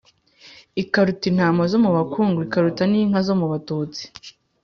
Ikaruta intama zo mu bakungu Ikaruta n'inka zo mu Batutsi,